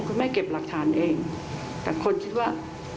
เก็บหลักฐานเองแต่คนคิดว่า